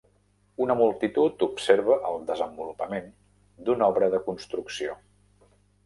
Una multitud observa el desenvolupament d'una obra de construcció.